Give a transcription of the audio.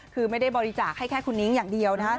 คือไม่ได้บริจาคให้แค่คุณนิ้งอย่างเดียวนะครับ